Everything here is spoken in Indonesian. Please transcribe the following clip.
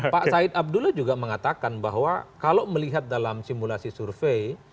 pak said abdullah juga mengatakan bahwa kalau melihat dalam simulasi survei